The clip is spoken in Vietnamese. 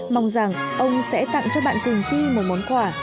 mong rằng ông sẽ tặng cho bạn cùng chi một món quà